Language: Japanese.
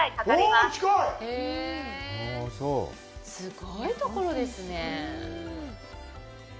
すごいところですね。